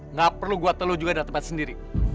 nggak perlu gue teluh juga di tempat sendiri